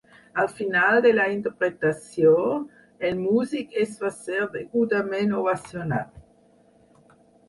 Al final de la interpretació, el músic es va ser degudament ovacionat.